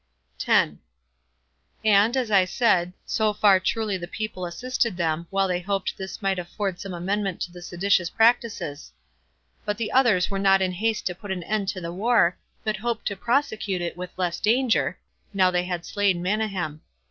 10. And, as I said, so far truly the people assisted them, while they hoped this might afford some amendment to the seditious practices; but the others were not in haste to put an end to the war, but hoped to prosecute it with less danger, now they had slain Manahem.